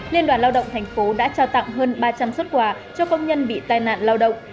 liên đoàn lao động thành phố đã trao tặng hơn ba trăm linh xuất quà cho công nhân bị tai nạn lao động